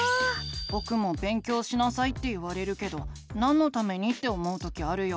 ぼくも「勉強しなさい」って言われるけどなんのためにって思う時あるよ。